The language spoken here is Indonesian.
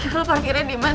akhirnya lo parkirin di mana